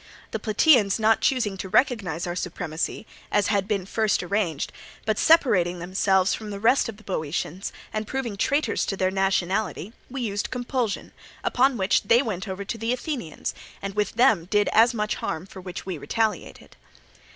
The Plataeans not choosing to recognize our supremacy, as had been first arranged, but separating themselves from the rest of the Boeotians, and proving traitors to their nationality, we used compulsion; upon which they went over to the Athenians, and with them did as much harm, for which we retaliated.